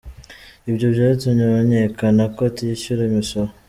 Ibyo byatumye amenyekana ko atishyura imisoro.